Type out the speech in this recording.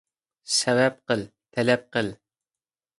سەۋەب قىل، تەلەپ قىل.